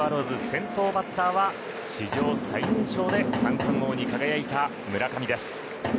先頭バッターは史上最年少で三冠王に輝いた村上です。